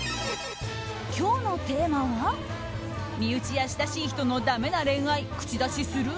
今日のテーマは身内や親しい人のダメな恋愛口出しする？